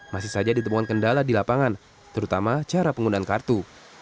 masih saja ditemukan kendala di lapangan terutama cara penggunaan kartu